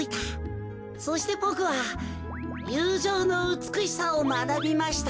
そしてボクはゆうじょうのうつくしさをまなびました。